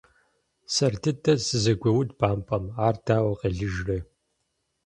Сэр дыдэр сызэгуеуд бампӏэм, ар дауэ къелыжрэ.